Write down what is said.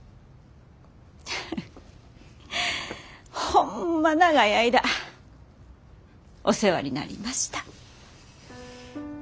ホンマ長い間お世話になりました。